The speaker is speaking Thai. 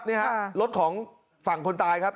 นี่ฮะรถของฝั่งคนตายครับ